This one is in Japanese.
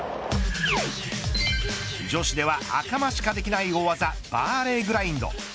女子では赤間しかできない大技バーレーグラインド。